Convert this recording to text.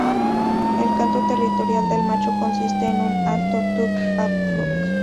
El canto territorial del macho consiste en un alto "tuk-a-prruk".